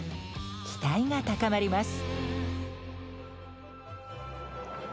期待が高まります。